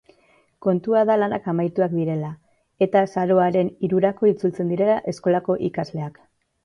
Kontua da lanak amaituak direla, eta azaroaren hirurako itzultzen direla eskolako ikasleak.